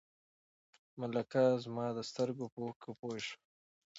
ملکه زما د سترګو په اوښکو پوه شوه.